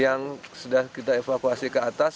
yang sudah kita evakuasi ke atas